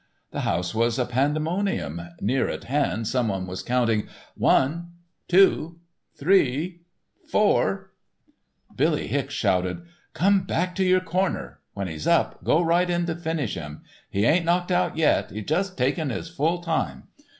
The house was a pandemonium, near at hand some one was counting, "one—two—three—four—" Billy Hicks shouted, "Come back to your corner. When he's up go right in to finish him. He ain't knocked out yet. He's just taking his full time.